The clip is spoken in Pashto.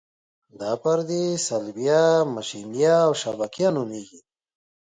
دا پردې صلبیه، مشیمیه او شبکیه نومیږي.